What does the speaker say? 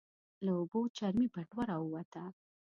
له اوبو چرمي بټوه راووته.